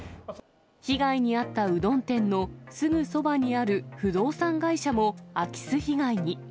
被害に遭ったうどん店のすぐそばにある不動産会社も、空き巣被害に。